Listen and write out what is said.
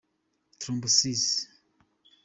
‘Thrombosis’.